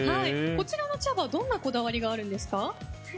こちらの茶葉はどんなこだわりがあるんですか？